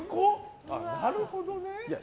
なるほどね。